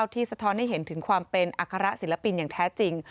สะท้อนให้เห็นถึงความเป็นอัคระศิลปินอย่างแท้จริง